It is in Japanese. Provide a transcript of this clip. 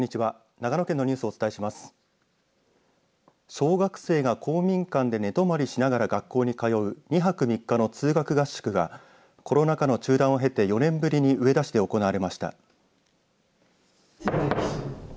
小学生が公民館で寝泊まりしながら学校に通う２泊３日の通学合宿がコロナ禍の中断を経て４年ぶりに上田市で行われました。